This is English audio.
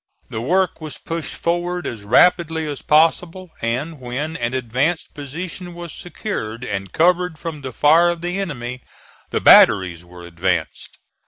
The work was pushed forward as rapidly as possible, and when an advanced position was secured and covered from the fire of the enemy the batteries were advanced.